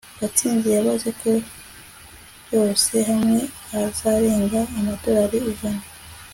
gatsinzi yabaze ko yose hamwe azarenga amadorari ijana